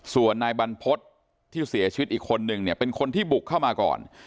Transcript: ส่วนนายบรรพฤษที่เสียชีวิตอีกคนนึงเนี่ยเป็นคนที่บุกเข้ามาก่อน